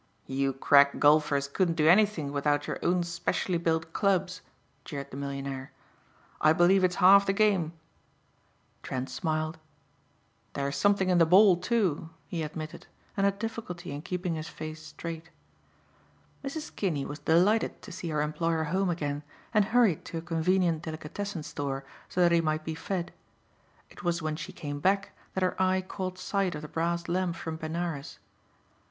"You crack golfers couldn't do anything without your own specially built clubs," jeered the millionaire, "I believe it's half the game." Trent smiled. "There's something in the ball, too," he admitted, and had difficulty in keeping his face straight. Mrs. Kinney was delighted to see her employer home again, and hurried to a convenient delicatessen store so that he might be fed. It was when she came back that her eye caught sight of the brass lamp from Benares.